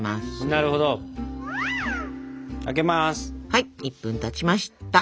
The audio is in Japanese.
はい１分たちました。